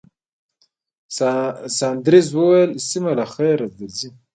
ساندرز وویل، سېمه، له خیره درځئ.